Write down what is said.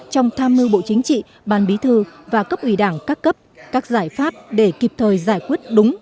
trong tham mưu bộ chính trị ban bí thư và cấp ủy đảng các cấp các giải pháp để kịp thời giải quyết đúng